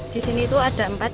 di sini itu ada empat